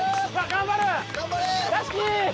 頑張れー！